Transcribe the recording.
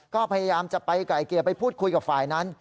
ก็พยายามจะไปกับไอเกียร์ไปพูดคุยกับฝ่ายนั้น